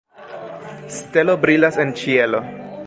Stelo brilas en ĉielo.